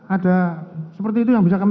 ada seperti itu yang bisa kami